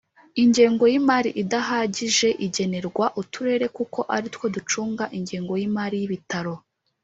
Ingengo y imari idahagije igenerwa Uturere kuko ari two ducunga ingengo y imari y Ibitaro